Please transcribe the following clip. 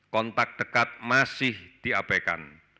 kontak dekat masih diabaikan